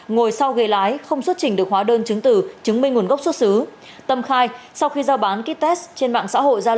ngồi sau ghê lái không xuất trình được hóa đơn chứng tử chứng minh nguồn gốc xuất xứ